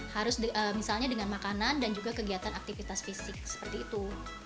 harus misalnya dengan makanan dan juga kegiatan aktivitas fisik seperti itu